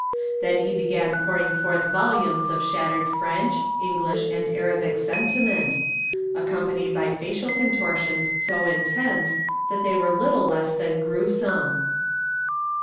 Then he began pouring forth volumes of shattered French, English and Arabic sentiment, accompanied by facial contortions so intense that they were little less than gruesome.